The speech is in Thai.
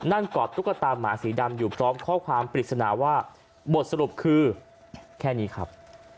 กอดตุ๊กตาหมาสีดำอยู่พร้อมข้อความปริศนาว่าบทสรุปคือแค่นี้ครับ